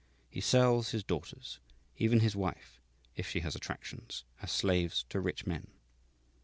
He sells his daughters, even his wife, if she has attractions, as slaves to rich men.